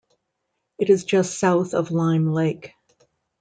It is just south of Lime Lake.